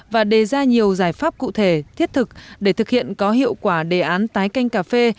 và đề ra nhiều giải pháp cụ thể thiết thực để thực hiện có hiệu quả đề án tái canh cà phê